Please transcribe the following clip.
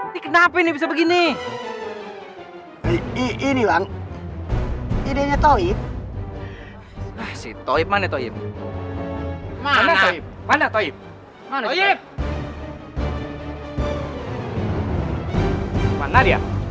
ini kenapa ini bisa begini ini bang idenya taui si toib mana toib mana mana toib mana dia